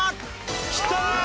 きた！